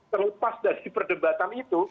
terlepas dari perdebatan itu